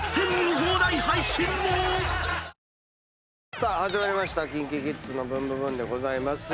さあ始まりました『ＫｉｎＫｉＫｉｄｓのブンブブーン！』です。